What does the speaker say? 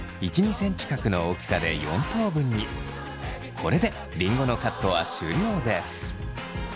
これでりんごのカットは終了です。